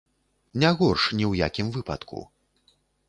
Не горш ні ў якім выпадку.